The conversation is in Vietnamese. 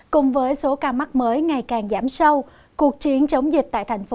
cùng với số ca mắc mới ngày càng giảm sâu cuộc chiến chống dịch tại thành phố